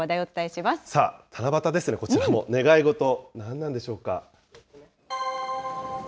さあ、七夕ですね、こちらの願い事、なんなんでしょうか。